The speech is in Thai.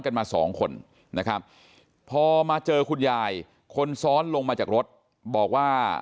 กันมาสองคนนะครับพอมาเจอคุณยายคนซ้อนลงมาจากรถบอกว่า